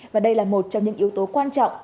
và đây là một trong những yếu tố quan trọng